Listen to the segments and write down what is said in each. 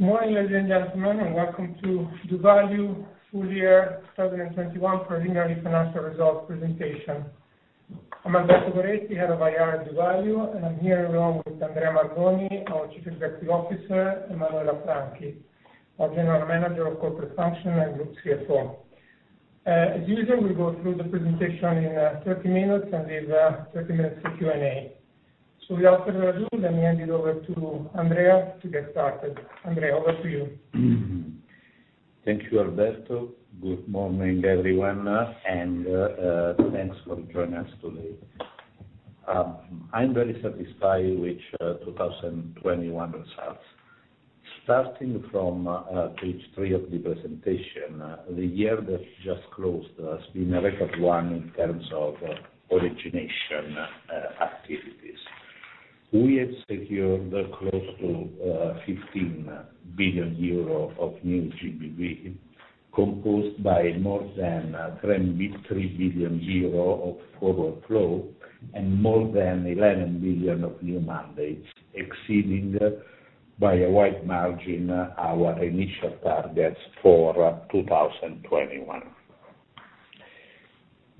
Good morning, ladies and gentlemen, and welcome to doValue full year 2021 preliminary financial results presentation. I'm Alberto Goretti, Head of IR at doValue, and I'm here along with Andrea Mangoni, our Chief Executive Officer, Manuela Franchi, our General Manager of Corporate Functions and Group CFO. As usual, we'll go through the presentation in 30 minutes and leave 30 minutes for Q&A. Without further ado, let me hand it over to Andrea to get started. Andrea, over to you. Thank you, Alberto. Good morning, everyone, and thanks for joining us today. I'm very satisfied with 2021 results. Starting from page 3 of the presentation, the year that just closed has been a record one in terms of origination activities. We have secured close to 15 billion euro of new GBV, composed by more than 10.3 billion euro of forward flow, and more than 11 billion of new mandates, exceeding by a wide margin our initial targets for 2021.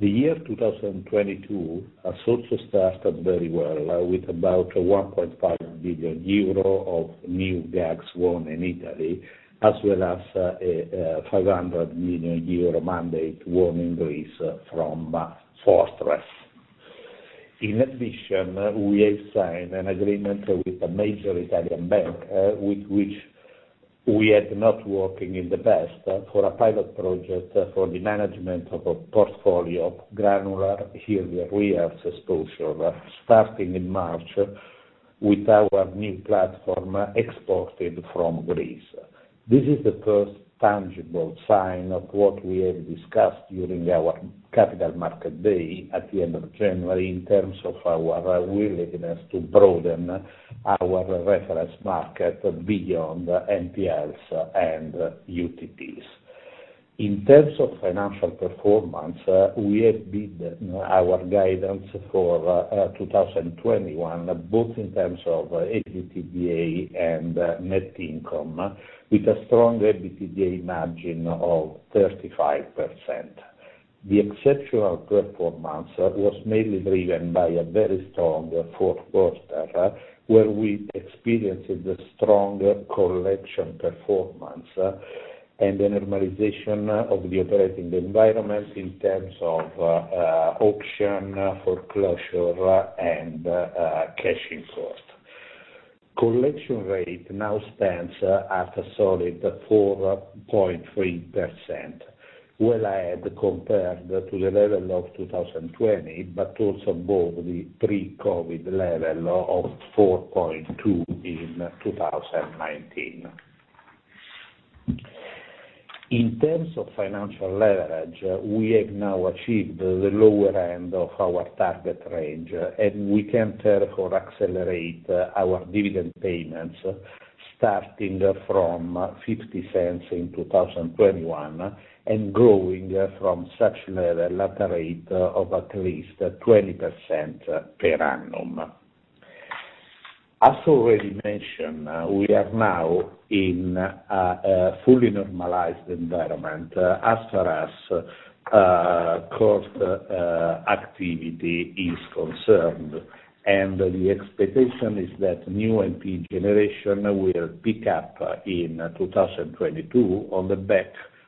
The year 2022 has also started very well, with about 1.5 billion euro of new GACS won in Italy, as well as a 500 million euro mandate won in Greece from Fortress. In addition, we have signed an agreement with a major Italian bank, with which we had not working in the past, for a pilot project for the management of a portfolio of granular early arrears starting in March with our new platform exported from Greece. This is the first tangible sign of what we have discussed during our Capital Markets Day at the end of January in terms of our willingness to broaden our reference market beyond NPLs and UTPs. In terms of financial performance, we have beat our guidance for 2021, both in terms of EBITDA and net income, with a strong EBITDA margin of 35%. The exceptional performance was mainly driven by a very strong fourth quarter, where we experienced a strong collection performance, and the normalization of the operating environment in terms of auctions, foreclosures, and cash costs. Collection rate now stands at a solid 4.3%, well ahead compared to the level of 2020, but also above the pre-COVID level of 4.2% in 2019. In terms of financial leverage, we have now achieved the lower end of our target range, and we can therefore accelerate our dividend payments starting from 0.50 in 2021 and growing from such level at a rate of at least 20% per annum. As already mentioned, we are now in a fully normalized environment as far as cost activity is concerned. The expectation is that new NPE generation will pick up in 2022 on the back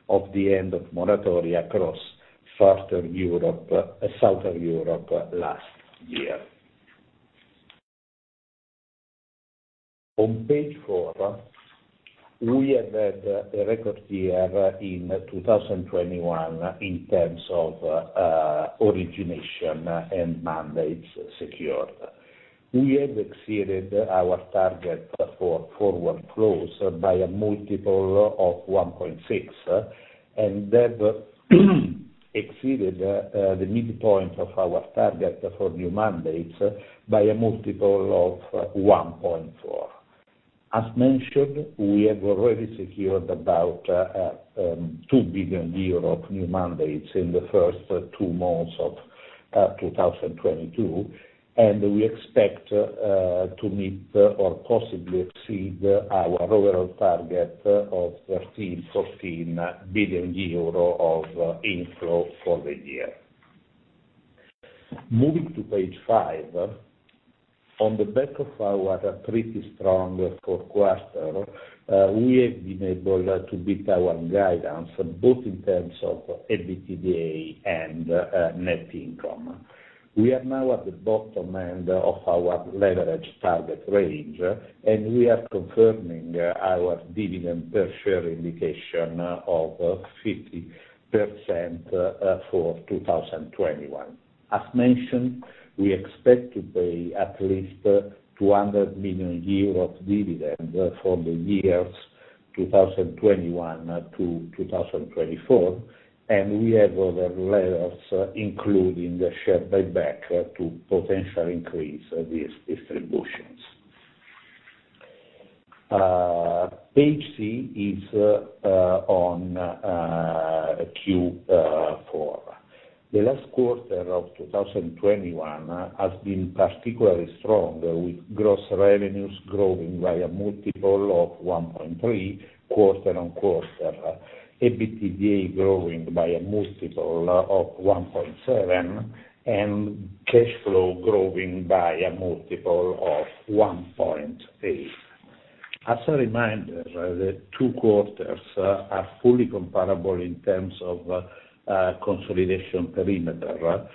of the end of moratoria across Southern Europe last year. On page 4, we have had a record year in 2021 in terms of origination and mandates secured. We have exceeded our target for forward flows by a multiple of 1.6, and have exceeded the midpoint of our target for new mandates by a multiple of 1.4. As mentioned, we have already secured about 2 billion euro of new mandates in the first 2 months of 2022, and we expect to meet or possibly exceed our overall target of 13 billion-14 billion euro of inflow for the year. Moving to page 5. On the back of our pretty strong fourth quarter, we have been able to beat our guidance, both in terms of EBITDA and net income. We are now at the bottom end of our leverage target range, and we are confirming our dividend per share indication of 0.50, for 2021. As mentioned, we expect to pay at least 200 million euros of dividend for the years 2021 to 2024, and we have other levers, including the share buyback, to potentially increase these distributions. Page C is on Q4. The last quarter of 2021 has been particularly strong, with gross revenues growing by a multiple of 1.3x quarter-over-quarter. EBITDA growing by a multiple of 1.7x, and cash flow growing by a multiple of 1.8x. As a reminder, the two quarters are fully comparable in terms of consolidation perimeter.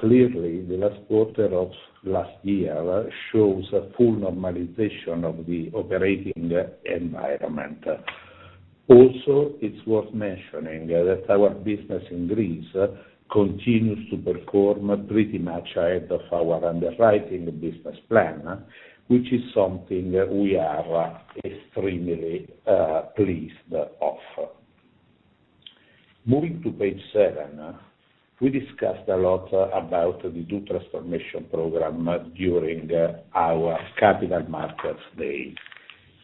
Clearly, the last quarter of last year shows a full normalization of the operating environment. Also, it's worth mentioning that our business in Greece continues to perform pretty much ahead of our underwriting business plan, which is something we are extremely pleased of. Moving to page 7. We discussed a lot about the doTransformation program during our Capital Markets Day.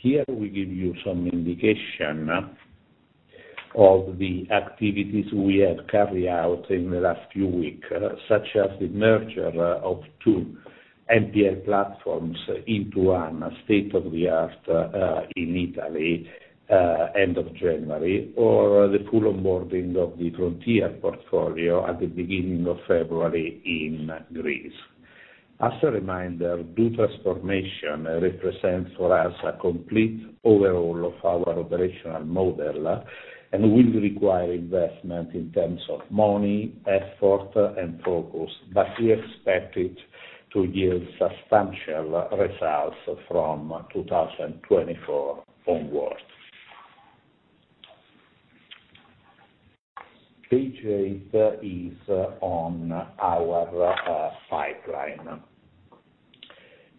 Here we give you some indication of the activities we have carried out in the last few weeks, such as the merger of two NPL platforms into one state-of-the-art in Italy end of January, or the full onboarding of the Frontier portfolio at the beginning of February in Greece. As a reminder, doTransformation represents for us a complete overhaul of our operational model, and will require investment in terms of money, effort, and focus. We expect it to yield substantial results from 2024 onwards. Page 8 is on our pipeline.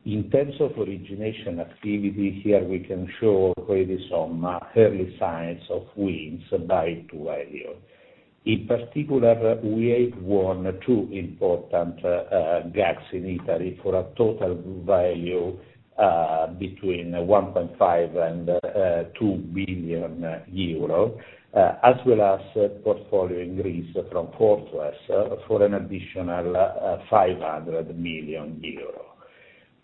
In terms of origination activity, here we can show already some early signs of wins by doValue. In particular, we have won two important GACS in Italy for a total value between 1.5 billion and 2 billion euro as well as portfolio in Greece from Fortress for an additional 500 million euro.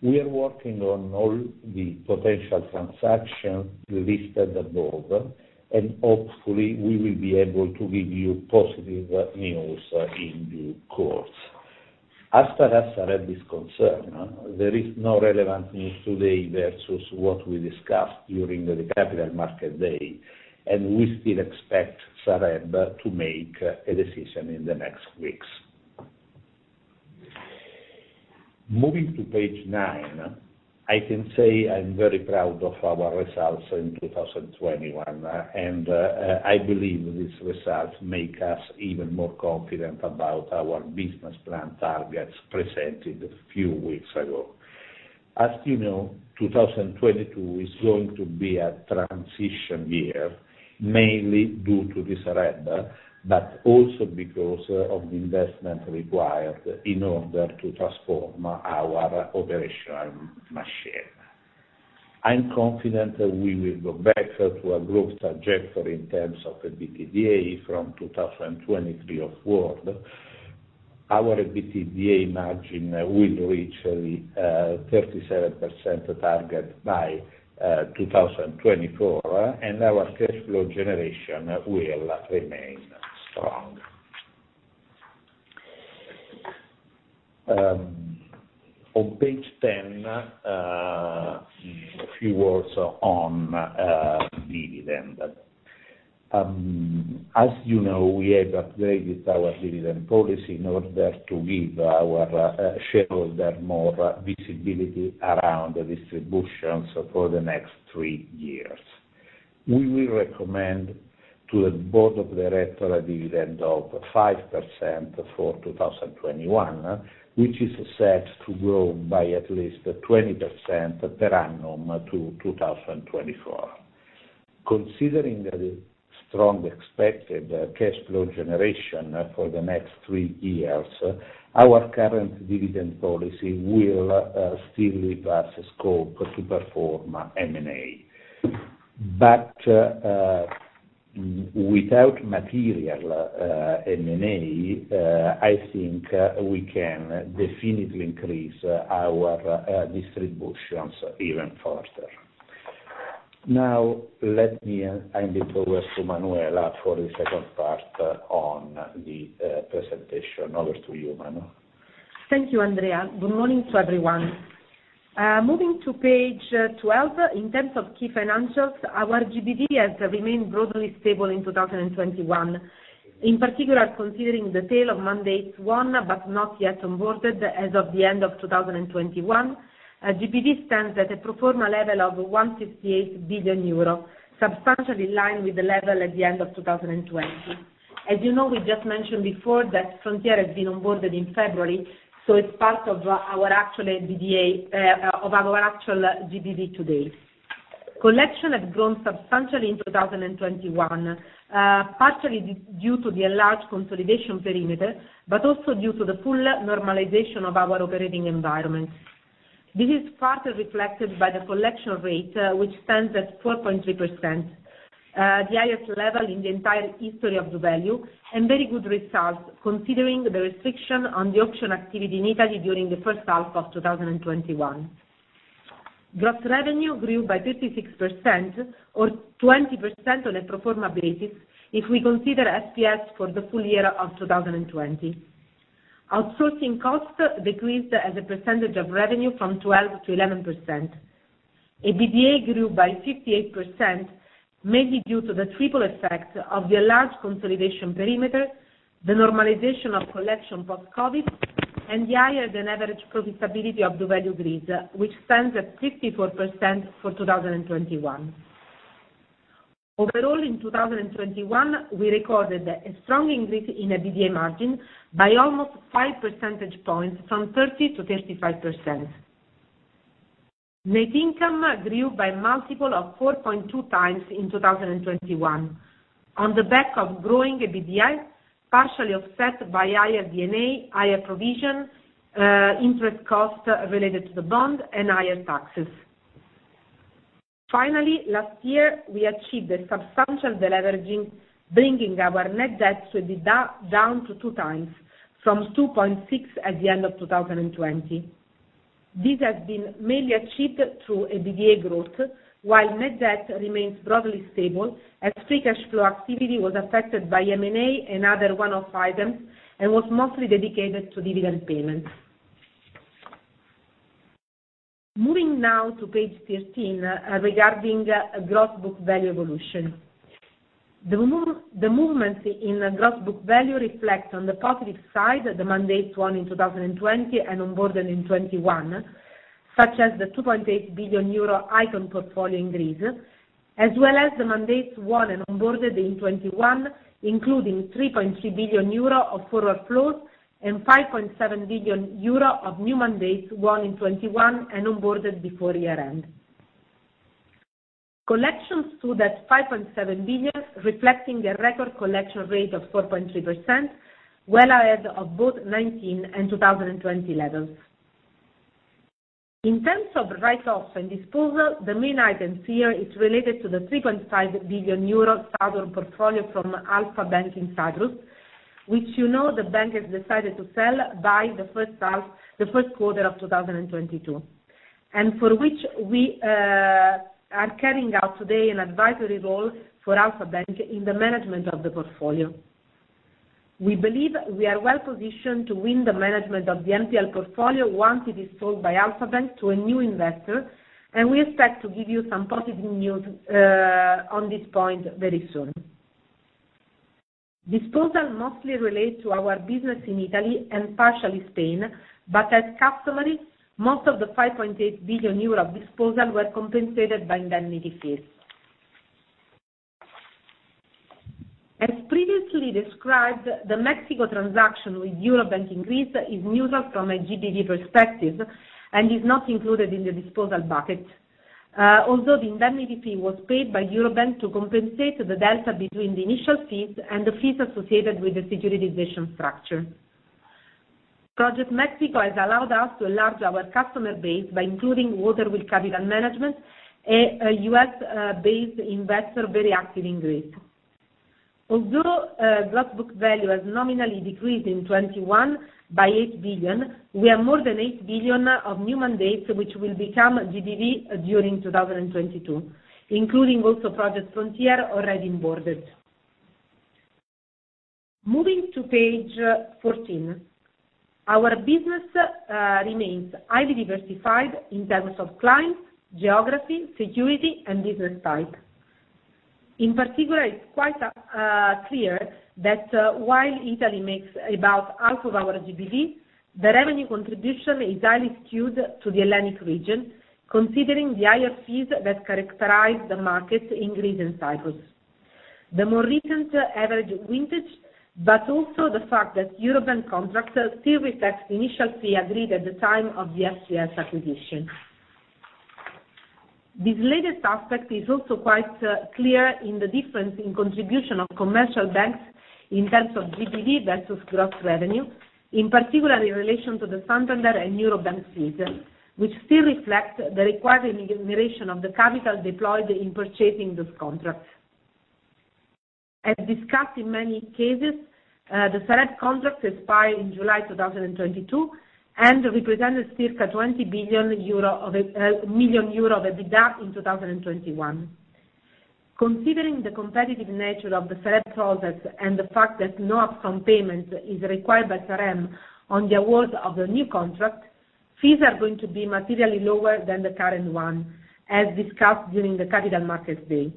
We are working on all the potential transactions listed above, and hopefully we will be able to give you positive news in due course. As far as Sareb is concerned, there is no relevant news today versus what we discussed during the Capital Markets Day, and we still expect Sareb to make a decision in the next weeks. Moving to page 9. I can say I'm very proud of our results in 2021. I believe these results make us even more confident about our business plan targets presented a few weeks ago. As you know, 2022 is going to be a transition year, mainly due to the Sareb, but also because of the investment required in order to transform our operational machine. I'm confident we will go back to a growth trajectory in terms of EBITDA from 2023 onward. Our EBITDA margin will reach 37% target by 2024, and our cash flow generation will remain strong. On page 10, a few words on dividend. As you know, we have upgraded our dividend policy in order to give our shareholder more visibility around the distributions for the next three years. We will recommend to the board of directors a dividend of 0.50 for 2021, which is set to grow by at least 20% per annum to 2024. Considering the strong expected cash flow generation for the next three years, our current dividend policy will still leave us scope to perform M&A. Without material M&A, I think we can definitely increase our distributions even further. Now let me hand it over to Manuela for the second part on the presentation. Over to you, Manuela. Thank you, Andrea. Good morning to everyone. Moving to page 12. In terms of key financials, our GBV has remained broadly stable in 2021. In particular, considering the tail of mandates won but not yet onboarded as of the end of 2021, GBV stands at a pro forma level of 168 billion euro, substantially in line with the level at the end of 2020. As you know, we just mentioned before that Frontier has been onboarded in February, so it's part of our actual GBV today. Collection has grown substantially in 2021, partially due to the enlarged consolidation perimeter, but also due to the full normalization of our operating environment. This is further reflected by the collection rate, which stands at 4.3%, the highest level in the entire history of doValue, and very good results considering the restriction on the auction activity in Italy during the first half of 2021. Gross revenue grew by 36% or 20% on a pro forma basis if we consider FPS for the full year of 2020. Outsourcing costs decreased as a percentage of revenue from 12%-11%. EBITDA grew by 58%, mainly due to the triple effect of the large consolidation perimeter, the normalization of collection post-COVID, and the higher than average profitability of doValue Greece, which stands at 54% for 2021. Overall, in 2021, we recorded a strong increase in EBITDA margin by almost 5 percentage points from 30%-35%. Net income grew by multiple of 4.2x in 2021. On the back of growing EBITDA, partially offset by higher D&A, higher provision, interest costs related to the bond and higher taxes. Finally, last year we achieved a substantial deleveraging, bringing our net debt to EBITDA down to 2x from 2.6 at the end of 2020. This has been mainly achieved through EBITDA growth, while net debt remains broadly stable as free cash flow activity was affected by M&A and other one-off items and was mostly dedicated to dividend payments. Moving now to page 13, regarding gross book value evolution. The movements in the gross book value reflect on the positive side, the mandates won in 2020 and onboarded in 2021, such as the 2.8 billion euro Icon portfolio in Greece, as well as the mandates won and onboarded in 2021, including 3.3 billion euro of forward flows and 5.7 billion euro of new mandates won in 2021 and onboarded before year-end. Collections stood at 5.7 billion, reflecting a record collection rate of 4.3%, well ahead of both 2019 and 2020 levels. In terms of write-offs and disposal, the main items here is related to the 3.5 billion euro Sky portfolio from Alpha Bank in Cyprus, which you know the bank has decided to sell by the first quarter of 2022, and for which we are carrying out today an advisory role for Alpha Bank in the management of the portfolio. We believe we are well positioned to win the management of the NPL portfolio once it is sold by Alpha Bank to a new investor, and we expect to give you some positive news on this point very soon. Disposal mostly relate to our business in Italy and partially Spain, but as customary, most of the 5.8 billion euro of disposal were compensated by indemnity fees. As previously described, the Project Mexico transaction with Eurobank in Greece is neutral from a GBV perspective and is not included in the disposal bucket. Although the indemnity fee was paid by Eurobank to compensate the delta between the initial fees and the fees associated with the securitization structure. Project Mexico has allowed us to enlarge our customer base by including Waterfall Asset Management, a U.S.-based investor very active in Greece. Gross book value has nominally decreased in 2021 by 8 billion. We have more than 8 billion of new mandates which will become GBV during 2022, including also Project Frontier already onboarded. Moving to page 14. Our business remains highly diversified in terms of client, geography, sector, and business type. In particular, it's quite clear that while Italy makes about half of our GBV, the revenue contribution is highly skewed to the Hellenic region, considering the higher fees that characterize the market in Greece and Cyprus, the more recent average vintage, but also the fact that European contracts still reflect the initial fee agreed at the time of the FPS acquisition. This latest aspect is also quite clear in the difference in contribution of commercial banks in terms of GBV versus gross revenue, in particular in relation to the Santander and Eurobank fees, which still reflect the required remuneration of the capital deployed in purchasing those contracts. As discussed in many cases, the Sareb contracts expire in July 2022 and represented circa 20 billion euro of GBV and 25 million euro of EBITDA in 2021. Considering the competitive nature of the Sareb process and the fact that no upfront payment is required by Sareb on the award of the new contract, fees are going to be materially lower than the current one, as discussed during the Capital Markets Day.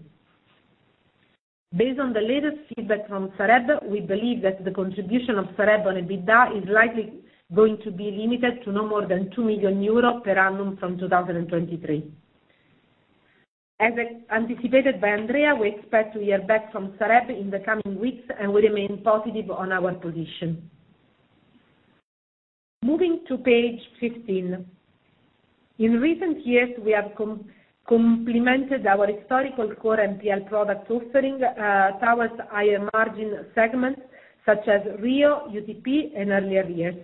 Based on the latest feedback from Sareb, we believe that the contribution of Sareb on EBITDA is likely going to be limited to no more than 2 million euros per annum from 2023. As anticipated by Andrea, we expect to hear back from Sareb in the coming weeks, and we remain positive on our position. Moving to page 15. In recent years, we have complemented our historical core NPL product offering towards higher margin segments such as REO, UTP, and early arrears,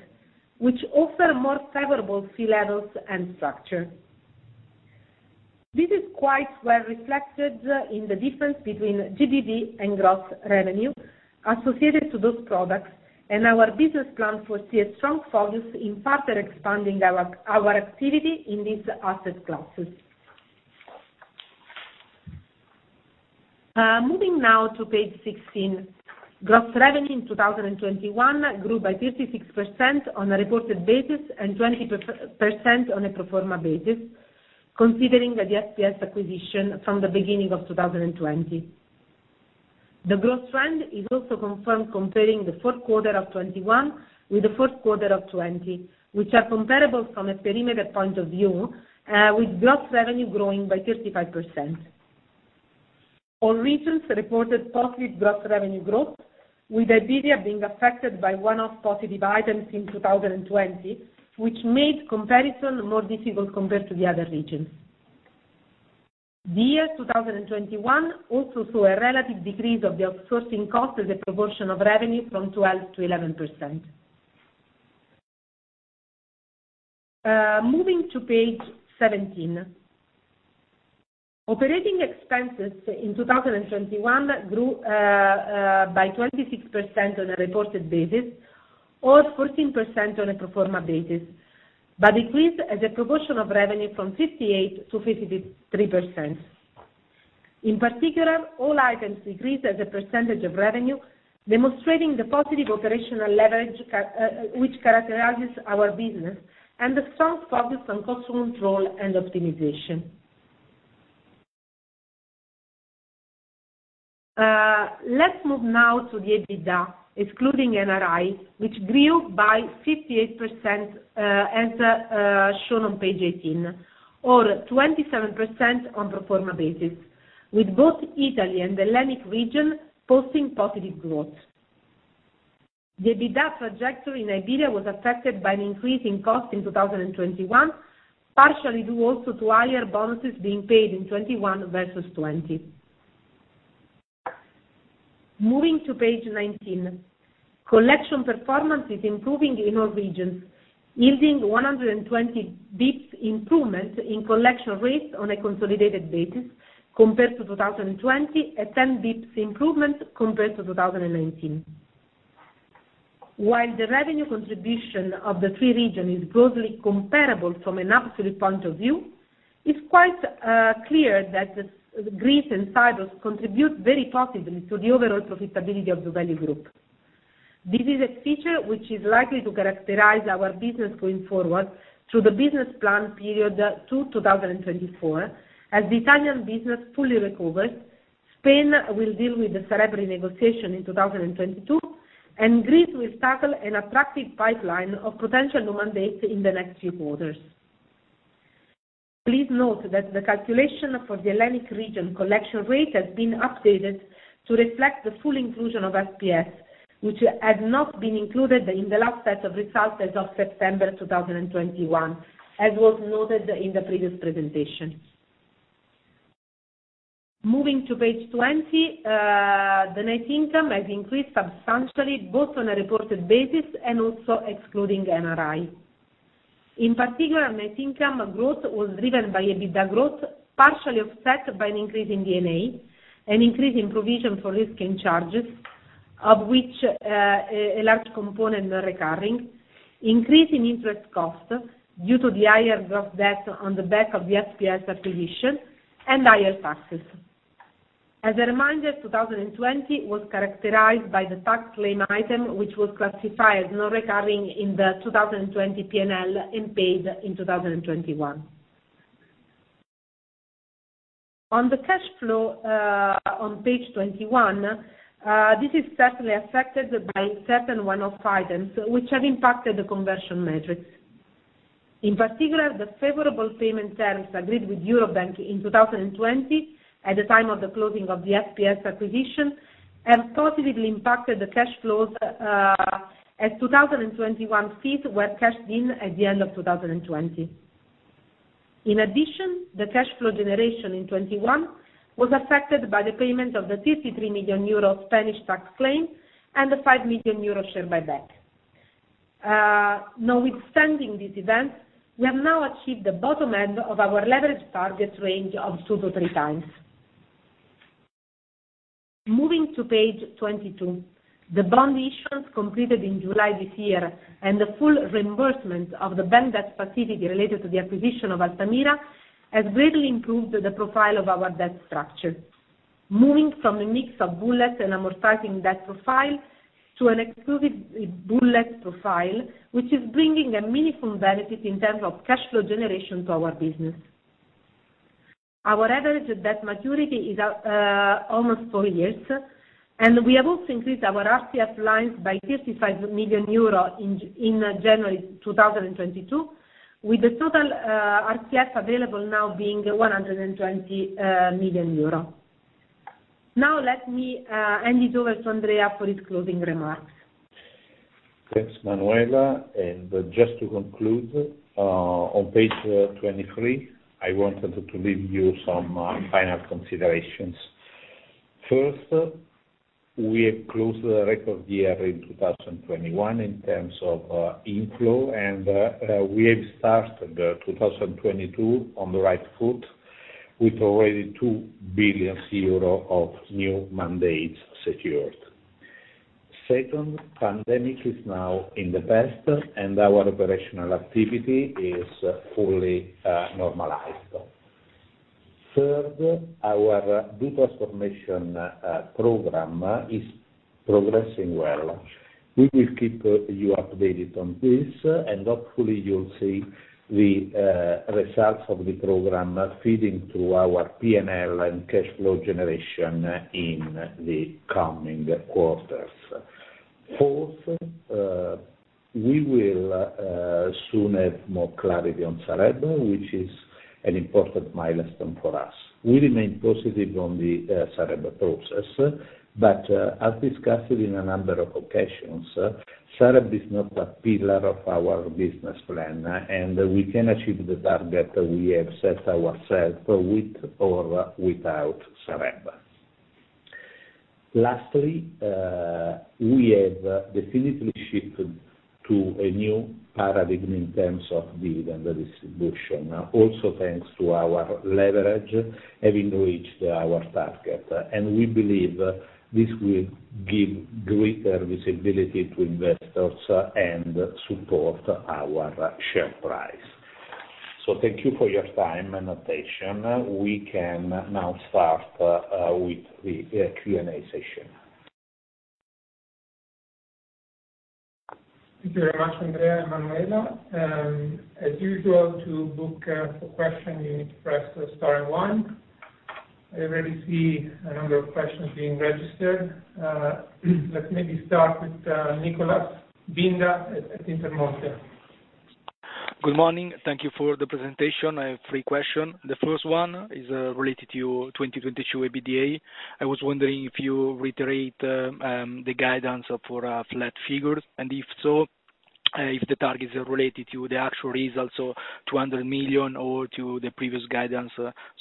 which offer more favorable fee levels and structure. This is quite well reflected in the difference between GBV and gross revenue associated to those products, and our business plan foresees strong focus in further expanding our activity in these asset classes. Moving now to page 16. Gross revenue in 2021 grew by 36% on a reported basis, and 20% on a pro forma basis, considering the FPS acquisition from the beginning of 2020. The growth trend is also confirmed comparing the fourth quarter of 2021 with the fourth quarter of 2020, which are comparable from a perimeter point of view, with gross revenue growing by 35%. All regions reported positive gross revenue growth, with Iberia being affected by one-off positive items in 2020, which made comparison more difficult compared to the other regions. The year 2021 also saw a relative decrease of the outsourcing cost as a proportion of revenue from 12%-11%. Moving to page 17. Operating expenses in 2021 grew by 26% on a reported basis, or 14% on a pro forma basis, but decreased as a proportion of revenue from 58%-53%. In particular, all items decreased as a percentage of revenue, demonstrating the positive operational leverage which characterizes our business, and the strong focus on cost control and optimization. Let's move now to the EBITDA excluding NRI, which grew by 58%, as shown on page 18, or 27% on pro forma basis, with both Italy and the Hellenic region posting positive growth. The EBITDA trajectory in Iberia was affected by an increase in cost in 2021, partially due also to higher bonuses being paid in 2021 versus 2020. Moving to page 19. Collection performance is improving in all regions, yielding 120 basis points improvement in collection rates on a consolidated basis compared to 2020, a 10 basis points improvement compared to 2019. While the revenue contribution of the three regions is broadly comparable from an absolute point of view, it's quite clear that Greece and Cyprus contribute very positively to the overall profitability of doValue Group. This is a feature which is likely to characterize our business going forward through the business plan period to 2024. As the Italian business fully recovers, Spain will deal with the Sareb negotiation in 2022, and Greece will tackle an attractive pipeline of potential mandates in the next few quarters. Please note that the calculation for the Hellenic region collection rate has been updated to reflect the full inclusion of FPS, which had not been included in the last set of results as of September 2021, as was noted in the previous presentation. Moving to page 20, the net income has increased substantially, both on a reported basis and also excluding NRI. In particular, net income growth was driven by EBITDA growth, partially offset by an increase in D&A, an increase in provision for risk and charges, of which a large component recurring. Increase in interest costs due to the higher gross debt on the back of the FPS acquisition and higher taxes. As a reminder, 2020 was characterized by the tax claim item, which was classified non-recurring in the 2020 P&L and paid in 2021. On the cash flow, on page 21, this is certainly affected by certain one-off items which have impacted the conversion metrics. In particular, the favorable payment terms agreed with Eurobank in 2020 at the time of the closing of the FPS acquisition have positively impacted the cash flows, as 2021 fees were cashed in at the end of 2020. In addition, the cash flow generation in 2021 was affected by the payment of the 53 million euro Spanish tax claim and the 5 million euro share buyback. Notwithstanding these events, we have now achieved the bottom end of our leverage target range of 2x-3x. Moving to page 22. The bond issuance completed in July this year, and the full reimbursement of the bank debt specifically related to the acquisition of Altamira, has greatly improved the profile of our debt structure, moving from a mix of bullet and amortizing debt profile to an exclusive bullet profile, which is bringing a meaningful benefit in terms of cash flow generation to our business. Our average debt maturity is out almost four years, and we have also increased our RCF lines by 55 million euro in January 2022, with the total RCF available now being 120 million euro. Now let me hand it over to Andrea for his closing remarks. Thanks, Manuela. Just to conclude, on page 23, I wanted to give you some final considerations. First, we have closed the record year in 2021 in terms of inflow, and we have started 2022 on the right foot with already 2 billion euro of new mandates secured. Second, pandemic is now in the past, and our operational activity is fully normalized. Third, our doTransformation program is progressing well. We will keep you updated on this, and hopefully you'll see the results of the program feeding to our P&L and cash flow generation in the coming quarters. Fourth, we will soon have more clarity on Sareb, which is an important milestone for us. We remain positive on the Sareb process, but as discussed in a number of occasions, Sareb is not a pillar of our business plan, and we can achieve the target we have set ourselves with or without Sareb. Lastly, we have definitely shifted to a new paradigm in terms of dividend distribution, thanks to our leverage having reached our target. We believe this will give greater visibility to investors and support our share price. Thank you for your time and attention. We can now start with the Q&A session. Thank you very much, Andrea and Manuela. As usual, to ask a question, you need to press star and one. I already see a number of questions being registered. Let's maybe start with Nicholas Binda at Intermonte. Good morning. Thank you for the presentation. I have three questions. The first one is related to your 2022 EBITDA. I was wondering if you reiterate the guidance for flat figures, and if so, if the targets are related to the actual results or 200 million or to the previous guidance,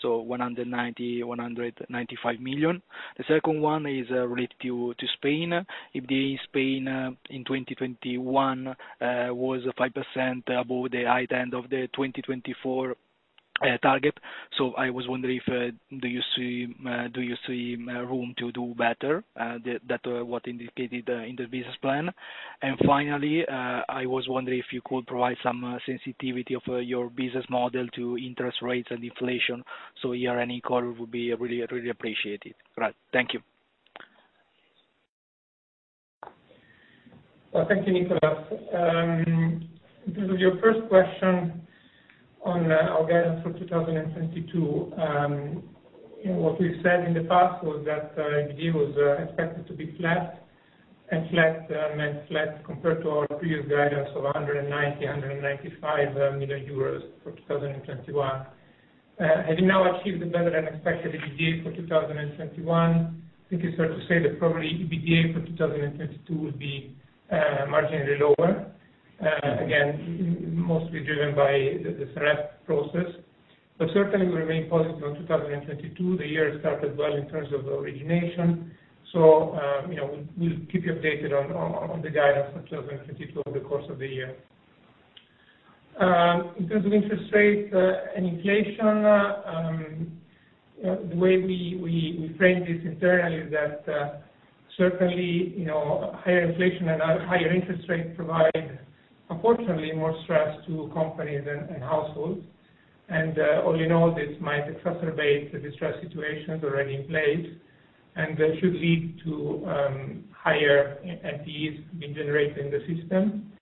so 190 million-195 million. The second one is related to Spain. If Spain in 2021 was 5% above the high end of the 2024 target. I was wondering if you see room to do better than what indicated in the business plan? Finally, I was wondering if you could provide some sensitivity of your business model to interest rates and inflation. Any color would be really, really appreciated. Right. Thank you. Well, thank you, Nicholas. In terms of your first question on our guidance for 2022, what we've said in the past was that EBITDA was expected to be flat, and flat meant flat compared to our previous guidance of 195 million euros for 2021. Having now achieved the better than expected EBITDA for 2021, I think it's fair to say that probably EBITDA for 2022 will be marginally lower, again, mostly driven by the Sareb process. Certainly, we remain positive on 2022. The year started well in terms of the origination. You know, we'll keep you updated on the guidance for 2022 over the course of the year. In terms of interest rates and inflation, the way we frame this internally is that, certainly, you know, higher inflation and higher interest rates provide, unfortunately, more stress to companies and households. All you know, this might exacerbate the distressed situations already in place, and that should lead to higher NPEs being generated in the system.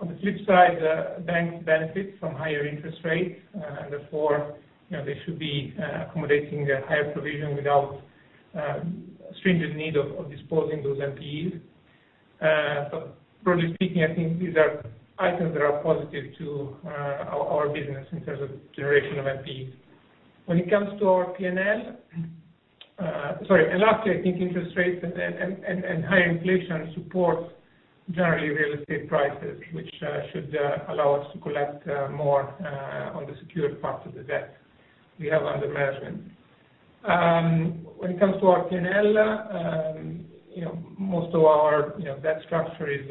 On the flip side, banks benefit from higher interest rates, and therefore, you know, they should be accommodating a higher provision without stringent need of disposing those NPEs. Broadly speaking, I think these are items that are positive to our business in terms of generation of NPEs. When it comes to our P&L, sorry. Lastly, I think interest rates and high inflation supports generally real estate prices, which should allow us to collect more on the secured part of the debt we have under management. When it comes to our P&L, you know, most of our debt structure is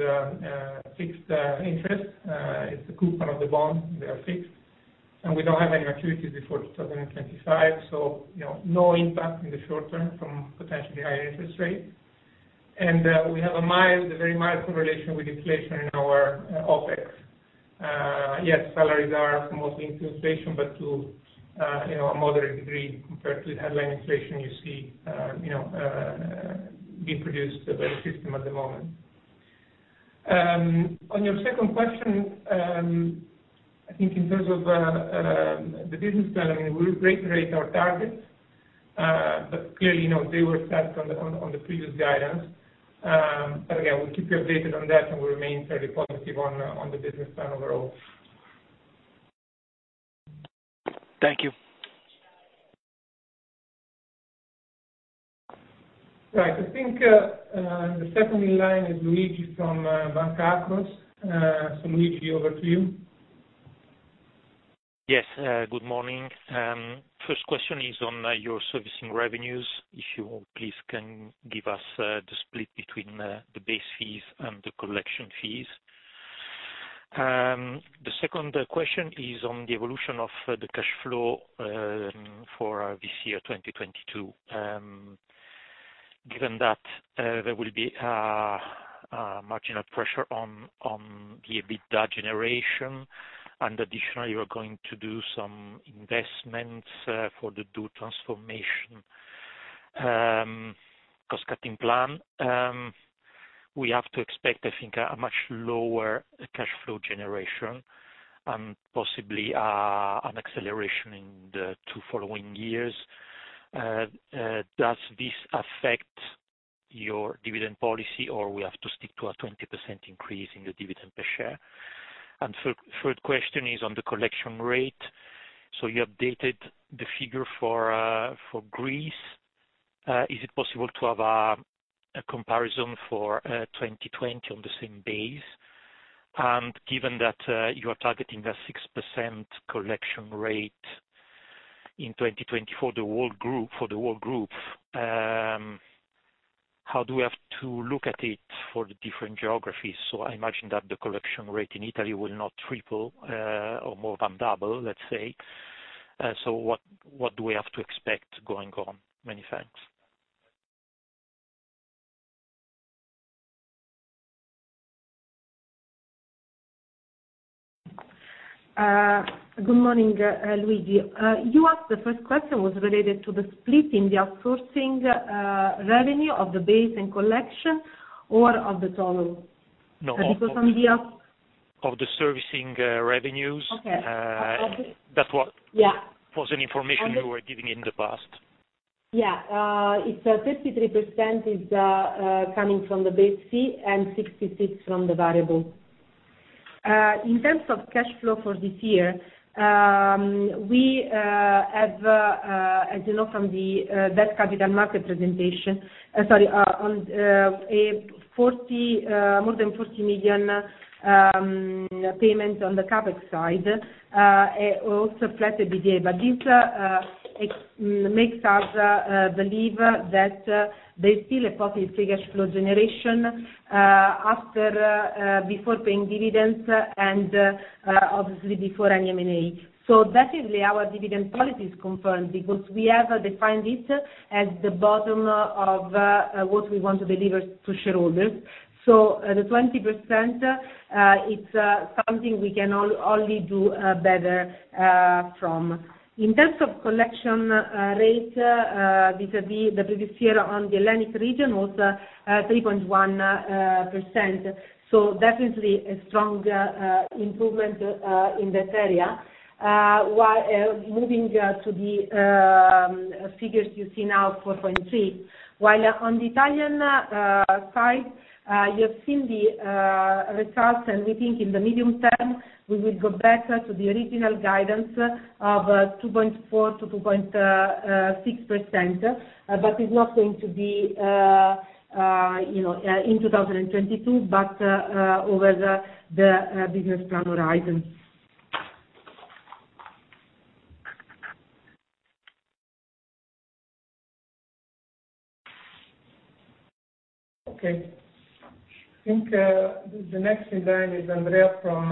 fixed interest. It's the coupon of the bond, they are fixed, and we don't have any maturities before 2025. You know, no impact in the short term from potentially higher interest rates. We have a very mild correlation with inflation in our OpEx. Yes, salaries are mostly in inflation, but you know, a moderate degree compared to the headline inflation you see being produced by the system at the moment. On your second question, I think in terms of the business plan, I mean, we reiterate our targets, but clearly, you know, they were set on the previous guidance. Again, we'll keep you updated on that, and we remain fairly positive on the business plan overall. Thank you. Right. I think, the second in line is Luigi from Banca Akros. Luigi, over to you. Yes, good morning. First question is on your servicing revenues. If you please can give us the split between the base fees and the collection fees. The second question is on the evolution of the cash flow for this year, 2022. Given that there will be marginal pressure on the EBITDA generation, and additionally, you are going to do some investments for the doTransformation cost-cutting plan, we have to expect, I think, a much lower cash flow generation and possibly an acceleration in the two following years. Does this affect your dividend policy, or we have to stick to a 20% increase in the dividend per share? Third question is on the collection rate. You updated the figure for Greece. Is it possible to have a comparison for 2020 on the same base? Given that you are targeting a 6% collection rate in 2020 for the whole group, how do we have to look at it for the different geographies? I imagine that the collection rate in Italy will not triple or more than double, let's say. What do we have to expect going on? Many thanks. Good morning, Luigi. You asked the first question was related to the split in the outsourcing revenue of the base and collection or of the total? No. Because on the out- Of the servicing revenues. Okay. That's what. Yeah. was the information you were giving in the past. Yeah. It's 33% is coming from the base fee and 66% from the variable. In terms of cash flow for this year, we have, as you know, from the Capital Markets Day presentation, sorry, on more than 40 million payment on the CapEx side, also flat EBITDA. This makes us believe that there's still a positive free cash flow generation after before paying dividends and obviously before any M&A. Definitely our dividend policy is confirmed because we have defined it as the bottom of what we want to deliver to shareholders. The 20%, it's something we can only do better from. In terms of collection rate vis-a-vis the previous year on the Hellenic region was 3.1%. Definitely a strong improvement in that area. While moving to the figures you see now, 4.3%. While on the Italian side, you've seen the results, and we think in the medium term, we will go back to the original guidance of 2.4%-2.6%. It's not going to be, you know, in 2022, but over the business plan horizon. Okay. I think the next in line is Andrea from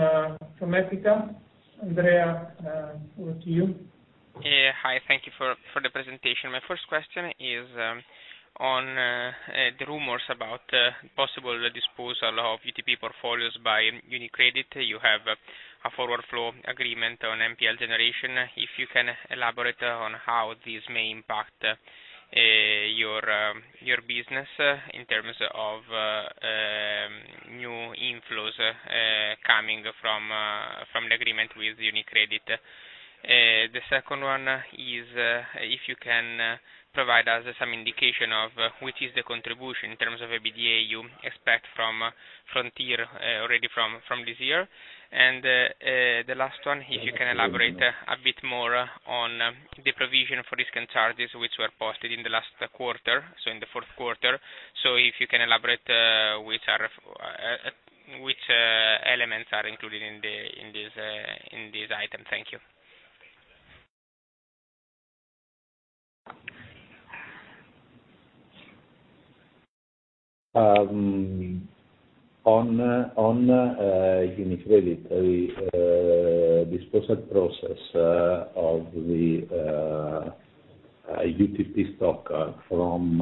Equita. Andrea, over to you. Yeah. Hi, thank you for the presentation. My first question is on the rumors about possible disposal of UTP portfolios by UniCredit. You have a forward flow agreement on NPL generation. If you can elaborate on how this may impact your business in terms of new inflows coming from the agreement with UniCredit. The second one is if you can provide us some indication of which is the contribution in terms of EBITDA to expect from Frontier already from this year. The last one, if you can elaborate a bit more on the provision for risk and charges, which were posted in the last quarter, so in the fourth quarter. If you can elaborate which elements are included in this item. Thank you. On UniCredit, the disposal process of the UTP stock from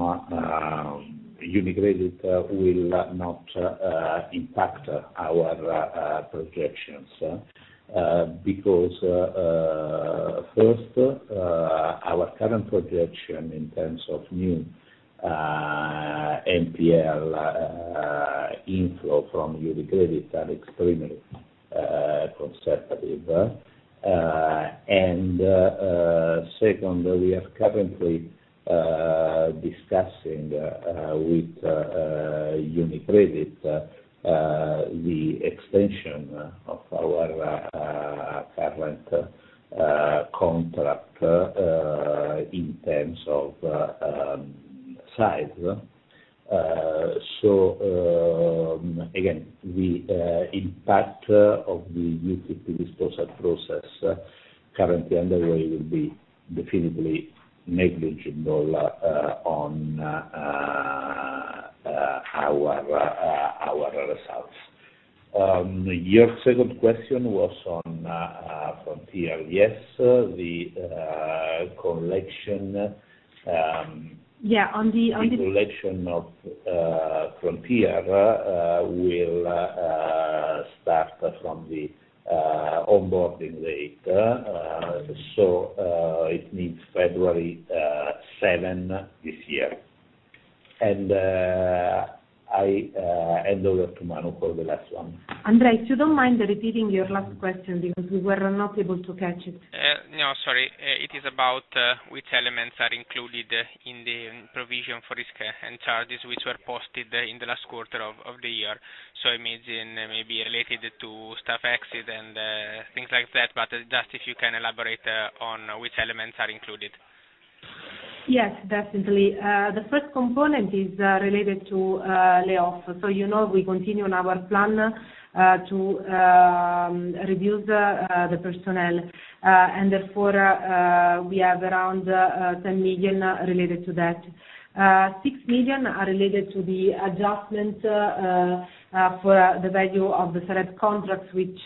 UniCredit will not impact our projections because first, our current projection in terms of new NPL inflow from UniCredit are extremely conservative. Second, we are currently discussing with UniCredit the extension of our current contract in terms of size. Again, the impact of the UTP disposal process currently underway will be definitively negligible on our results. Your second question was on Frontier. Yes, sir. The collection Yeah. On the- The collection of Frontier will start from the onboarding date. It begins February 7 this year. I hand over to Manu for the last one. Andrea, if you don't mind repeating your last question because we were not able to catch it. No, sorry. It is about which elements are included in the provision for risk and charges which were posted in the last quarter of the year. It means in maybe related to staff exit and things like that, but just if you can elaborate on which elements are included. Yes, definitely. The first component is related to layoffs. You know we continue on our plan to reduce the personnel. Therefore, we have around 10 million related to that. 6 million are related to the adjustment for the value of the Sareb contracts, which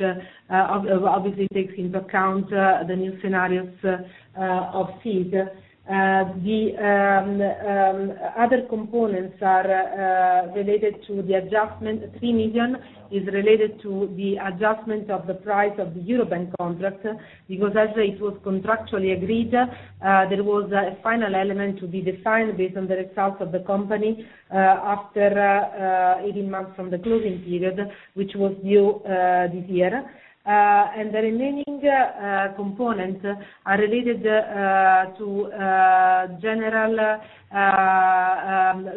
obviously takes into account the new scenarios of fees. The other components are related to the adjustment. 3 million is related to the adjustment of the price of the Eurobank contract because as it was contractually agreed, there was a final element to be defined based on the results of the company after 18 months from the closing period, which was due this year. The remaining components are related to general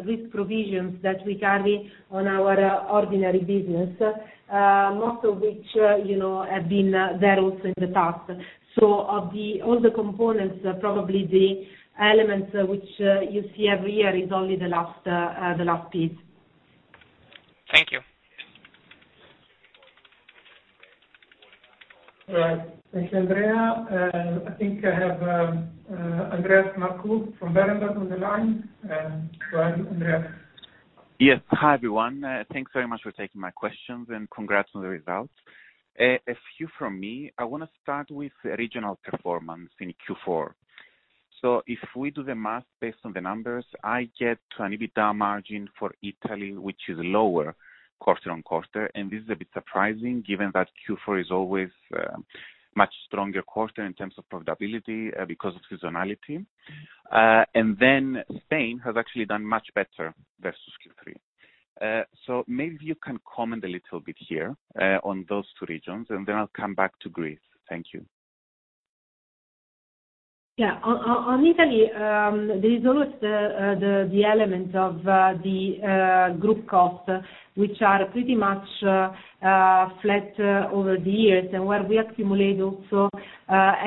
risk provisions that we carry on our ordinary business, most of which, you know, have been there also in the past. Of all the components, probably the elements which you see every year is only the last piece. Thank you. All right. Thank you, Andrea. I think I have Andreas Markou from Berenberg on the line. Go ahead, Andreas. Yes. Hi, everyone. Thanks very much for taking my questions, and congrats on the results. A few from me. I want to start with regional performance in Q4. If we do the math based on the numbers, I get an EBITDA margin for Italy, which is lower quarter-on-quarter, and this is a bit surprising given that Q4 is always much stronger quarter in terms of profitability because of seasonality. Spain has actually done much better versus Q3. Maybe you can comment a little bit here on those two regions, and then I'll come back to Greece. Thank you. Yeah. On Italy, there is always the element of the group costs, which are pretty much flat over the years and where we accumulate also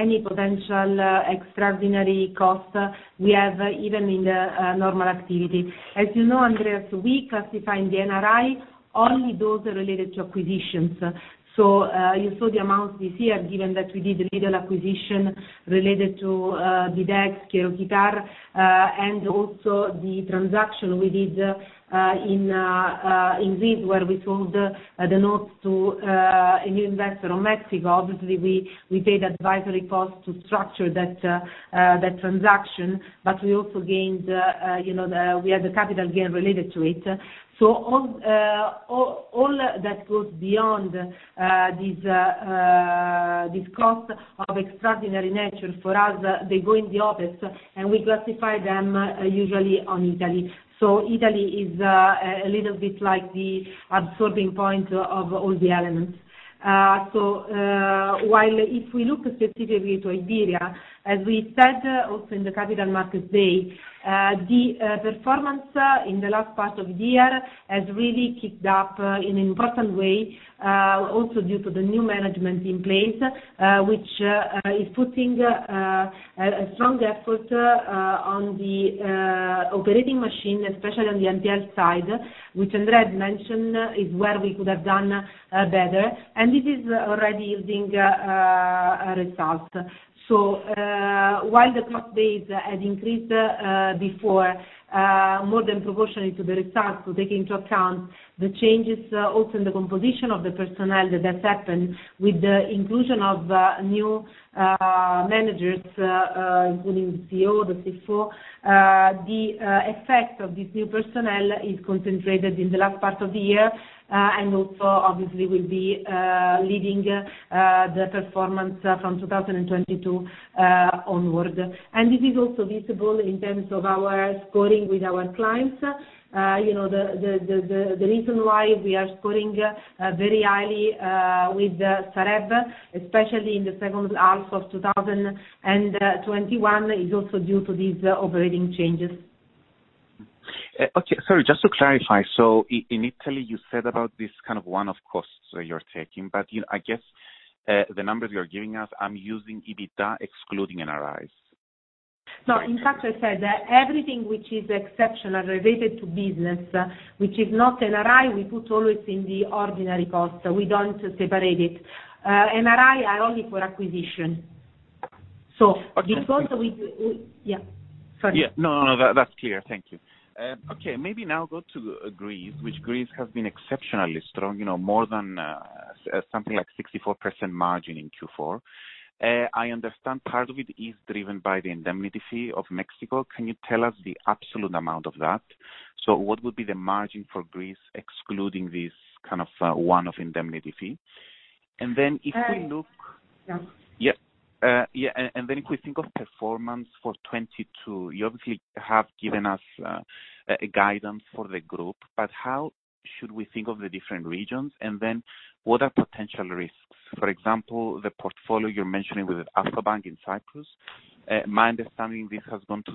any potential extraordinary cost we have even in the normal activity. As you know, Andreas, we classify in the NRI only those related to acquisitions. You saw the amount this year given that we did a little acquisition related to BidX1, QueroQuitar, and also the transaction we did in this where we sold the notes to a new investor on Mexico. Obviously, we paid advisory costs to structure that transaction, but we also gained, you know, we had the capital gain related to it. All that goes beyond these costs of extraordinary nature for us, they go in OpEx, and we classify them usually on Italy. Italy is a little bit like the absorbing point of all the elements. While if we look specifically to Iberia, as we said also in the Capital Markets Day, the performance in the last part of the year has really kicked up in an important way, also due to the new management in place, which is putting a strong effort on the operating machine, especially on the NPL side, which Andrea had mentioned is where we could have done better. This is already yielding results. While the cost base had increased before more than proportionally to the results, take into account the changes also in the composition of the personnel that has happened with the inclusion of new managers including the CEO, the CFO, the effect of this new personnel is concentrated in the last part of the year and also obviously will be leading the performance from 2022 onward. This is also visible in terms of our scoring with our clients. You know, the reason why we are scoring very highly with Sareb, especially in the second half of 2021, is also due to these operating changes. Okay. Sorry, just to clarify. Initially, you said about this kind of one-off costs you're taking, but, you know, I guess, the numbers you are giving us, I'm using EBITDA excluding NRIs. No, in fact, I said that everything which is exceptional related to business, which is not NRI, we put always in the ordinary cost. We don't separate it. NRI are only for acquisition. Yeah. No, no. That, that's clear. Thank you. Okay. Maybe now go to Greece, which Greece has been exceptionally strong, you know, more than something like 64% margin in Q4. I understand part of it is driven by the indemnity fee of Mexico. Can you tell us the absolute amount of that? So what would be the margin for Greece excluding this kind of one-off indemnity fee? And then if we look- Yeah. If we think of performance for 2022, you obviously have given us a guidance for the group, but how should we think of the different regions? Then what are potential risks? For example, the portfolio you're mentioning with Alpha Bank in Cyprus, my understanding this has gone to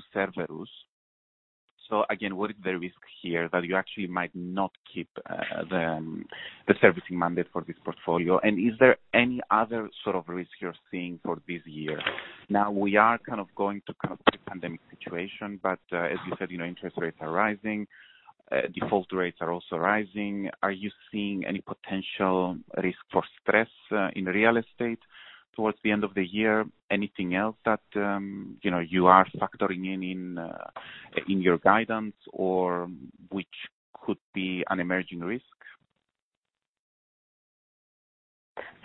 Cerberus. Again, what is the risk here that you actually might not keep the servicing mandate for this portfolio? And is there any other sort of risk you're seeing for this year? Now, we are kind of going post-pandemic situation, but as you said, you know, interest rates are rising, default rates are also rising. Are you seeing any potential risk for stress in real estate towards the end of the year? Anything else that you know you are factoring in your guidance or which could be an emerging risk?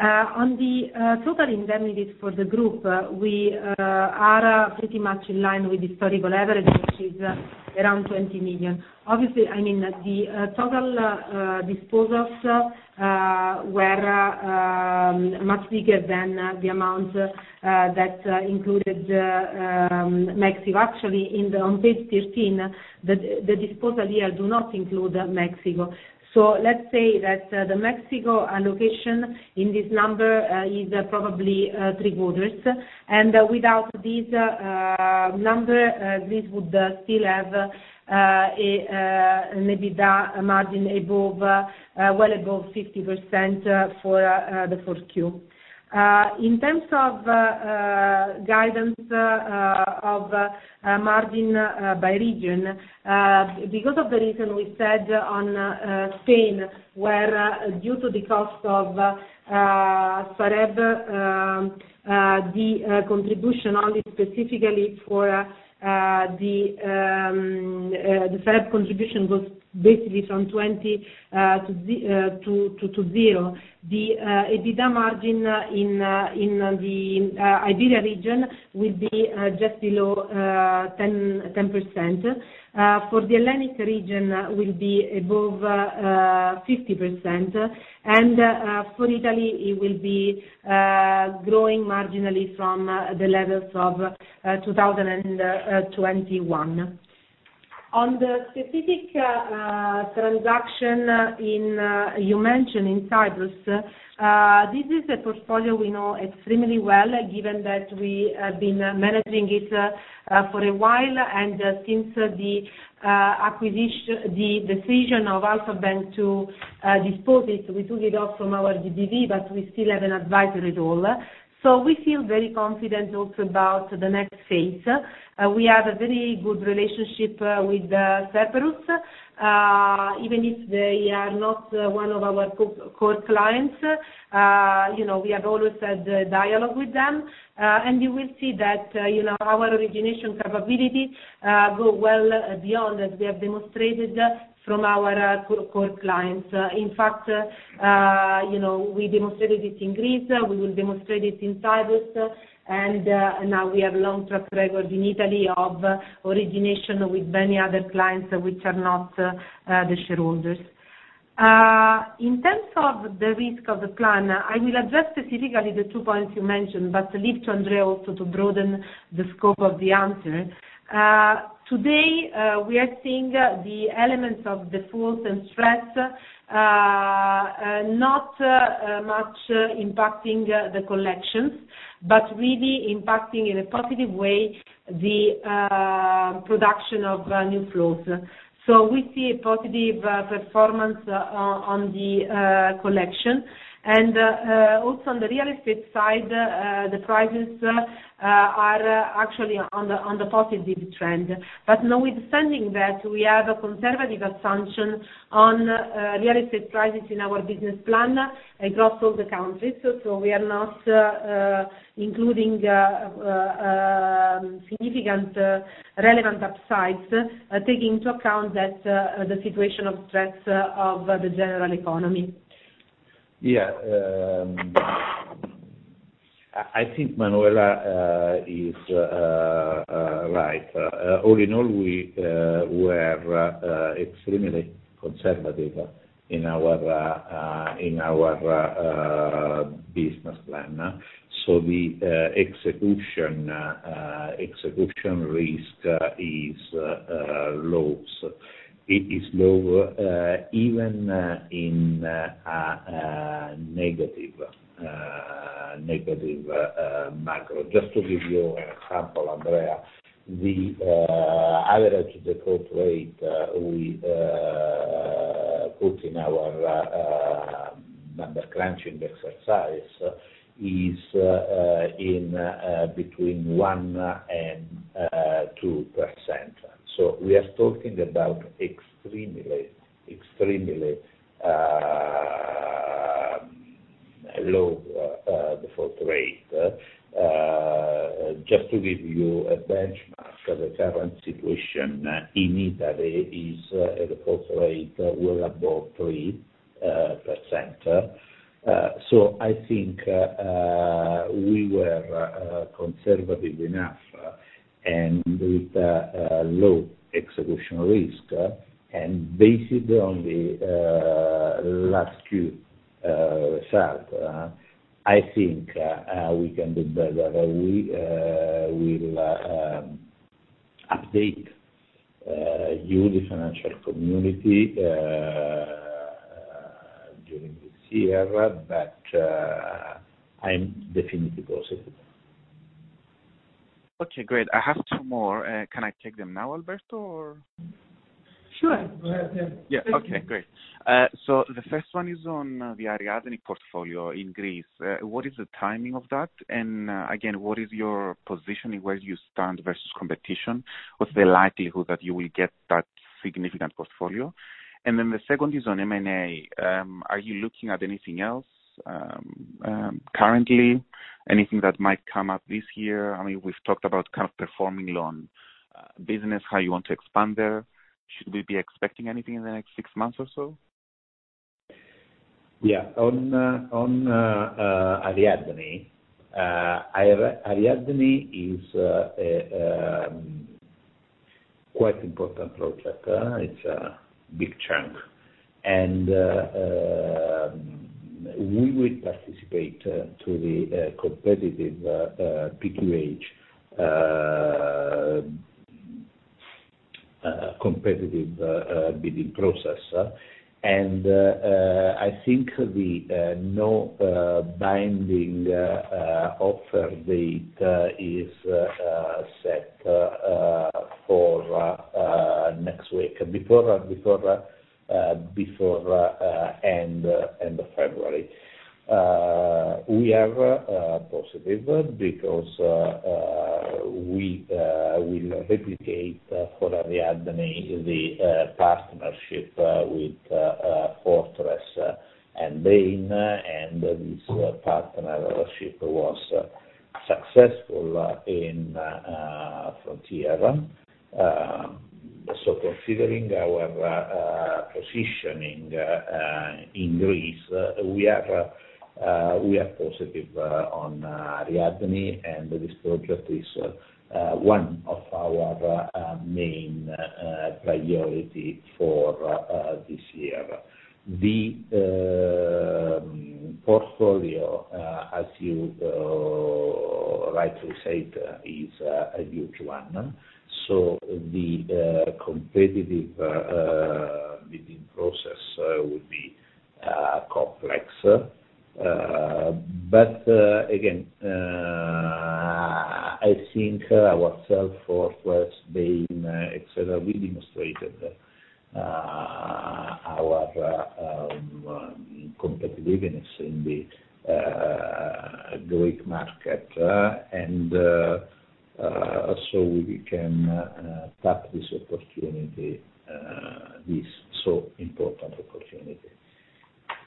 On the total indemnities for the group, we are pretty much in line with historical average, which is around 20 million. Obviously, I mean, the total disposals were much bigger than the amount that included Mexico. Actually, on page 13, the disposals here do not include Mexico. So let's say that the Mexico allocation in this number is probably three quarters. Without this number, this would still have an EBITDA margin above, well above 50%, for the fourth Q. In terms of guidance of margin by region, because of the reason we said on Spain, where due to the cost of Sareb, the contribution only specifically for the Sareb contribution was basically from 20 to 0. The EBITDA margin in the Iberia region will be just below 10%. For the Hellenic region will be above 50%. For Italy, it will be growing marginally from the levels of 2021. On the specific transaction that you mentioned in Cyprus, this is a portfolio we know extremely well, given that we have been managing it for a while. Since the acquisition. The decision of Alpha Bank to dispose it, we took it off from our GBV, but we still have an advisory role. We feel very confident also about the next phase. We have a very good relationship with Cerberus. Even if they are not one of our core clients, you know, we have always had a dialogue with them. You will see that, you know, our origination capability go well beyond as we have demonstrated from our core clients. In fact, you know, we demonstrated it in Greece, we will demonstrate it in Cyprus, and now we have long track record in Italy of origination with many other clients which are not the shareholders. In terms of the risk of the plan, I will address specifically the two points you mentioned, but leave to Andrea also to broaden the scope of the answer. Today, we are seeing the elements of defaults and stress not much impacting the collections, but really impacting in a positive way the production of new flows. We see a positive performance on the collection. Also on the real estate side, the prices are actually on the positive trend. Notwithstanding that, we have a conservative assumption on real estate prices in our business plan across all the countries. We are not including significant relevant upsides, taking into account that the situation of stress of the general economy. Yeah. I think Manuela is right. All in all, we were extremely conservative in our business plan. The execution risk is low. It is low, even in a negative macro. Just to give you an example, Andrea, the average default rate with In our number crunching exercise is between 1% and 2%. We are talking about extremely low default rate. Just to give you a benchmark for the current situation in Italy is a default rate well above 3%, so I think we were conservative enough, and with low execution risk. Based on the last few results, I think we can do better. We will update you, the financial community, during this year, but I'm definitely positive. Okay, great. I have two more. Can I take them now, Alberto, or? Sure. Go ahead. Yeah. Yeah. Okay, great. So the first one is on the Ariadne portfolio in Greece. What is the timing of that? Again, what is your position and where do you stand versus competition? What's the likelihood that you will get that significant portfolio? Then the second is on M&A. Are you looking at anything else, currently? Anything that might come up this year? I mean, we've talked about kind of performing loan business, how you want to expand there. Should we be expecting anything in the next six months or so? Yeah. On Ariadne. Ariadne is quite important project. It's a big chunk. We will participate to the competitive PQH bidding process. I think the non-binding offer date is set for next week, before end of February. We are positive because we will replicate for Ariadne the partnership with Fortress and Bain, and this partnership was successful in Frontier. Considering our positioning in Greece, we are positive on Ariadne, and this project is one of our main priority for this year. The portfolio, as you rightly said, is a huge one. The competitive bidding process will be complex. Again, I think ourselves, Fortress, Bain, etc., we demonstrated our competitiveness in the Greek market, and so we can tap this opportunity, this so important opportunity.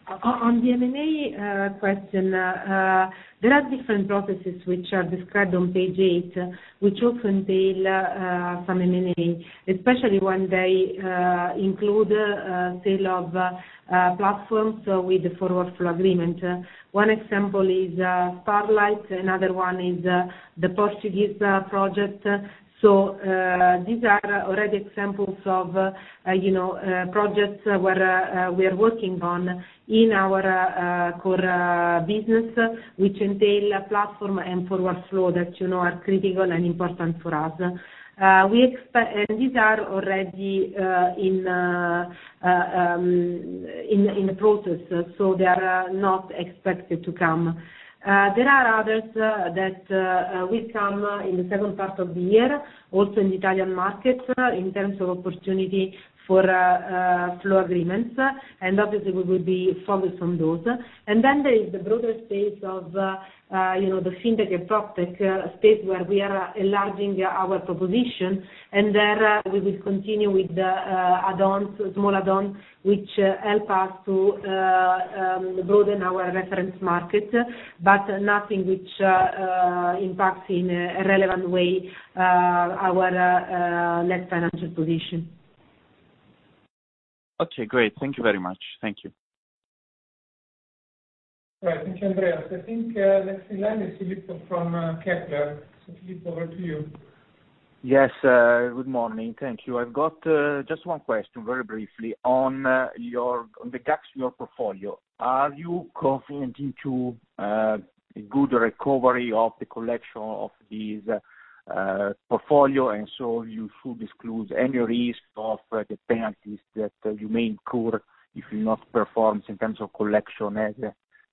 On the M&A question, there are different processes which are described on page 8, which often entail some M&A, especially when they include sale of platforms with the forward flow agreement. One example is Starlight. Another one is the Portuguese project. These are already examples of, you know, projects where we are working on in our core business, which entail platform and forward flow that, you know, are critical and important for us. These are already in the process, so they are not expected to come. There are others that will come in the second part of the year, also in the Italian market, in terms of opportunity for flow agreements. Obviously, we will be focused on those. There is the broader space of, you know, the fintech and proptech space, where we are enlarging our proposition. There, we will continue with the add-ons, small add-ons, which help us to broaden our reference market, but nothing which impacts in a relevant way our net financial position. Okay, great. Thank you very much. Thank you. Right. Thank you, Andreas. I think, next in line is Filippo from Kepler. Filippo, over to you. Yes. Good morning. Thank you. I've got just one question very briefly. On the GACS, your portfolio, are you confident into a good recovery of the collection of this portfolio, and so you should exclude any risk of the penalties that you may incur if you not perform in terms of collection as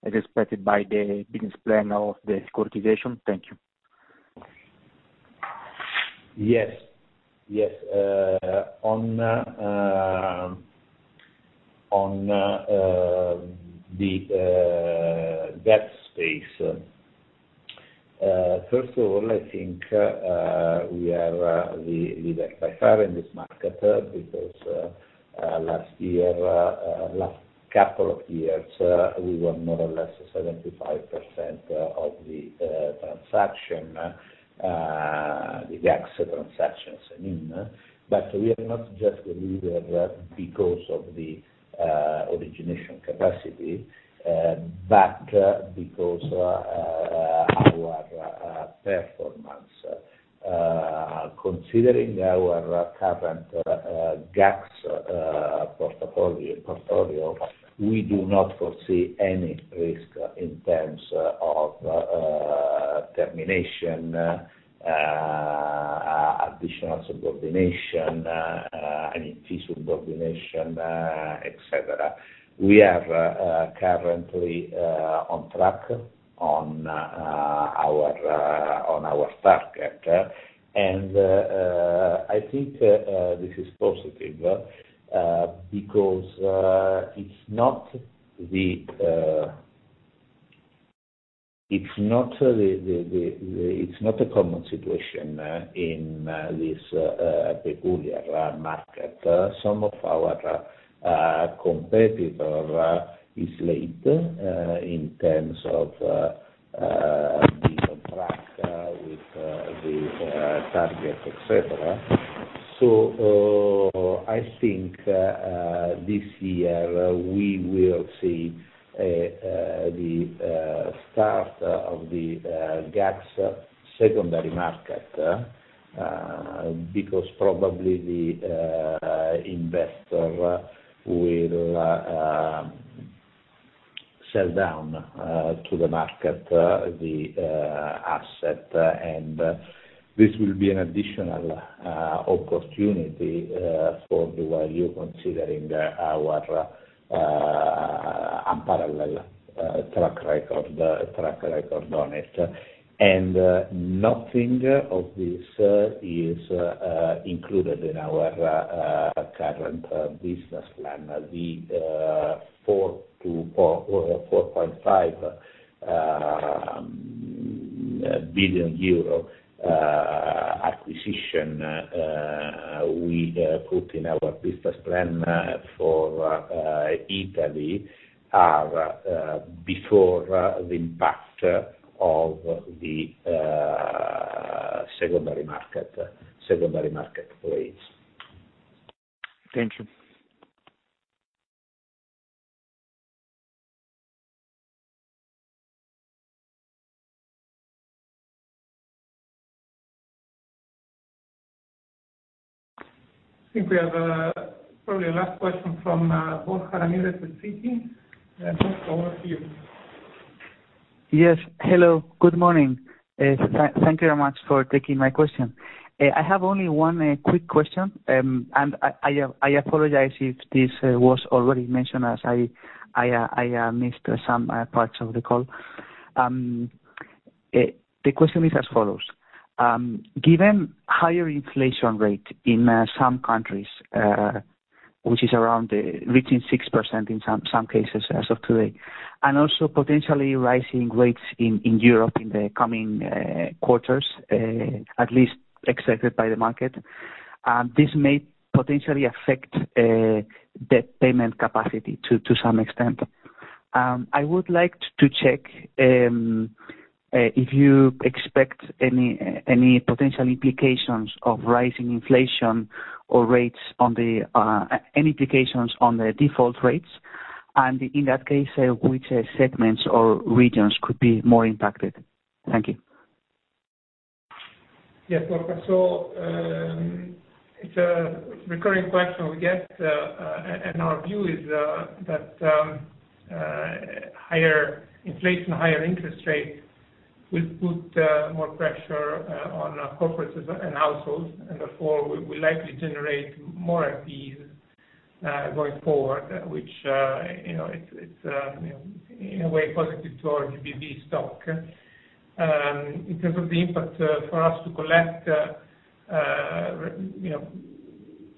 expected by the business plan of the securitization? Thank you. Yes. Yes. On that space. First of all, I think we are the leader by far in this market, because last year, last couple of years, we were more or less 75% of the transaction, the GACS transactions, I mean. We are not just the leader because of the origination capacity, but because our performance. Considering our current GACS portfolio, we do not foresee any risk in terms of termination, additional subordination, I mean, fee subordination, et cetera. We are currently on track on our target. I think this is positive because it's not a common situation in this peculiar market. Some of our competitor is late in terms of being on track with the target, et cetera. I think this year we will see the start of the GACS secondary market because probably the investor will sell down to the market the asset. This will be an additional opportunity for doValue considering our unparalleled track record on it. Nothing of this is included in our current business plan. The 4 billion-4.5 billion euro acquisition we put in our business plan for Italy are before the impact of the secondary market plays. Thank you. I think we have probably a last question from Borja Ramirez Segura with Citi. Borja, over to you. Yes. Hello. Good morning. Thank you very much for taking my question. I have only one quick question, and I apologize if this was already mentioned as I missed some parts of the call. The question is as follows. Given higher inflation rate in some countries, which is around reaching 6% in some cases as of today, and also potentially rising rates in Europe in the coming quarters, at least expected by the market, this may potentially affect the payment capacity to some extent. I would like to check if you expect any potential implications of rising inflation or rates on the default rates. In that case, which segments or regions could be more impacted? Thank you. Yes, Borja. It's a recurring question we get, and our view is that higher inflation, higher interest rates will put more pressure on corporates and households, and therefore will likely generate more fees going forward, which you know it's in a way positive to our GBV stock. In terms of the impact for us to collect, you know,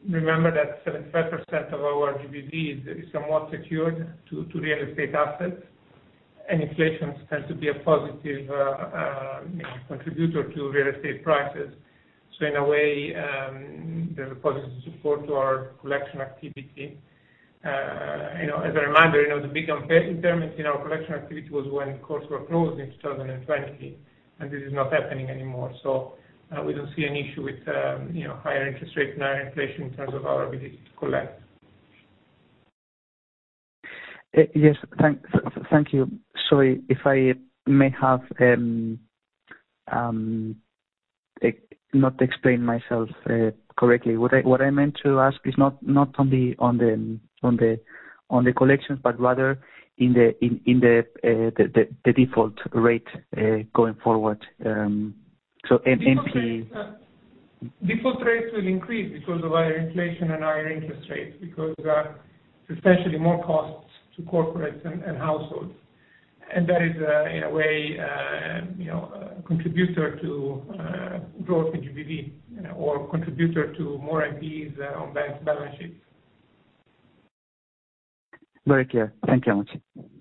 remember that 75% of our GBV is somewhat secured to real estate assets, and inflation tends to be a positive you know contributor to real estate prices. In a way, there's a positive support to our collection activity. You know, as a reminder, you know, the big impairment in our collection activity was when courts were closed in 2020, and this is not happening anymore. We don't see an issue with, you know, higher interest rates and higher inflation in terms of our ability to collect. Yes. Thank you. Sorry if I may have not explained myself correctly. What I meant to ask is not on the collections, but rather in the default rate going forward. So NPE- Default rates will increase because of higher inflation and higher interest rates because essentially more costs to corporates and households. That is, in a way, you know, a contributor to growth in GBV, you know, or contributor to more NPEs on banks' balance sheets. Very clear. Thank you very much.